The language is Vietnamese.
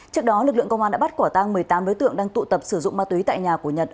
trước đó lực lượng công an đã bắt quả tang một mươi tám đối tượng đang tụ tập sử dụng ma túy tại nhà của nhật